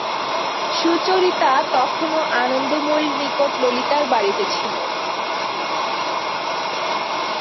সুচরিতা তখনো আনন্দময়ীর নিকট ললিতার বাড়িতে ছিল।